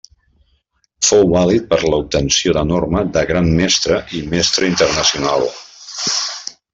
Fou vàlid per a l'obtenció de norma de Gran Mestre i Mestre Internacional.